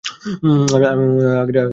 আমি আমাদের আগের ঝগড়ার জন্য ক্ষমাপ্রার্থী।